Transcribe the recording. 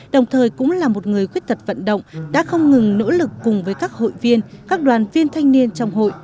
đồng thời cũng là một người khuyết tật vận động đã không ngừng nỗ lực cùng với các hội viên các đoàn viên thanh niên trong hội